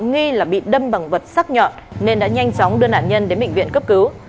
nghi là bị đâm bằng vật sắc nhọn nên đã nhanh chóng đưa nạn nhân đến bệnh viện cấp cứu